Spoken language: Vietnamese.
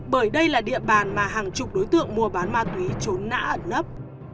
bởi đây là địa bàn mà hàng chục đối tượng mua bán ma túy trốn nã ẩn nấp